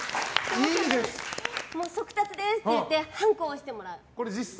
速達でーす！って言ってハンコを押してもらう。